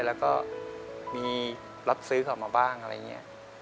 แล้วก็มีรับซื้อเขามาบ้างอะไรอย่างนี้